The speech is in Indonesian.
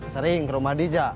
sering ke rumah dija